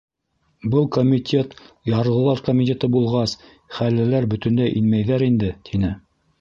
Был комитет ярлылар комитеты булғас, хәллеләр бөтөнләй инмәйҙәр инде? — тине.